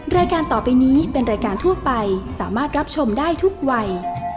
รายการต่อไปนี้เป็นรายการทั่วไปสามารถรับชมได้ทุกวัย